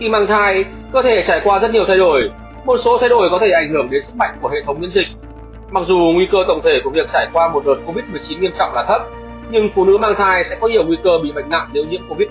mang thai có thể trải qua rất nhiều thay đổi một số thay đổi có thể ảnh hưởng đến sức mạnh của hệ thống miễn dịch mặc dù nguy cơ tổng thể của việc trải qua một đợt covid một mươi chín nghiêm trọng là thấp nhưng phụ nữ mang thai sẽ có nhiều nguy cơ bị bệnh nặng nếu nhiễm covid một mươi chín